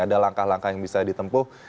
ada langkah langkah yang bisa ditempuh